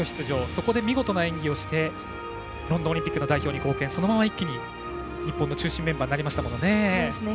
そこで見事な演技をしてロンドンオリンピックの代表に貢献、そこから一気に日本の中心メンバーになりましたもんね。